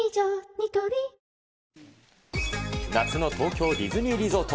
ニトリ夏の東京ディズニーリゾート。